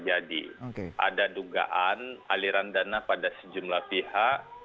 ada dugaan aliran dana pada sejumlah pihak